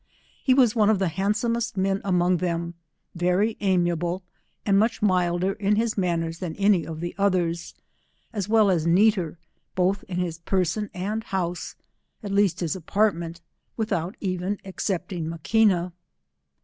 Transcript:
He was one of the handsomest men among them, very amiable, and much milder in his manners than any of the others, as well as neater both in his person and house, at 180 least his apartment, witiiout even excepting Ma quina.